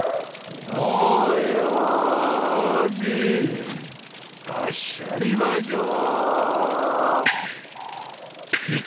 火の用心さっしゃりましょう。